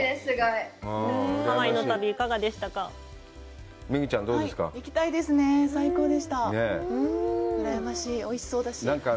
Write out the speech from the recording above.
いかがでしたか。